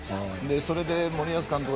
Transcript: それで、森保監督